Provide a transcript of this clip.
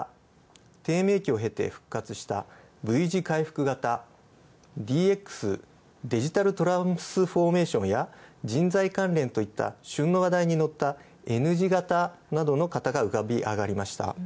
低迷期をうけ復活したＶ字回復型、ＤＸ＝デジタルトランスフォーメーションや人材関連といった旬の話題に乗ったＮ字型などの型が浮かび上がりました。